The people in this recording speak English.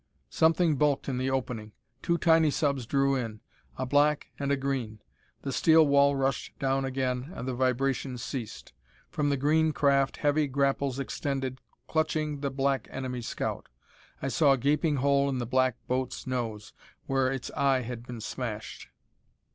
Something bulked in the opening. Two tiny subs drew in, a black and a green. The steel wall rushed down again, and the vibration ceased. From the green craft heavy grapples extended, clutching the black, enemy scout. I saw a gaping hole in the black boat's nose, where its eye had been smashed.